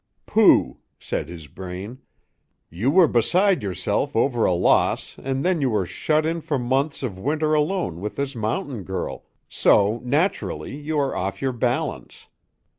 "Pooh!" said his brain, "you were beside yourself over a loss and then you were shut in for months of winter alone with this mountain girl, so naturally you are off your balance."